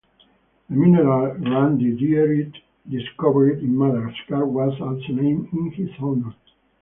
The mineral grandidierite, discovered in Madagascar was also named in his honor.